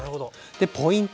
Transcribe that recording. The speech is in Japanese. ポイント